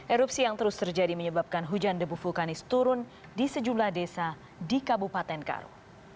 erupsi yang terus terjadi menyebabkan hujan debu vulkanis turun di sejumlah desa di kabupaten karo